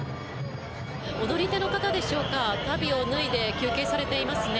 踊り手の方でしょうか足袋を脱いで休憩されていますね。